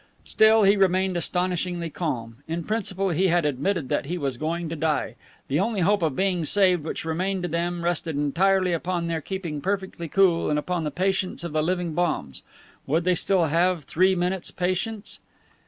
Still he remained astonishingly calm. In principle he had admitted that he was going to die. The only hope of being saved which remained to them rested entirely upon their keeping perfectly cool and upon the patience of the living bombs. Would they still have three minutes' patience?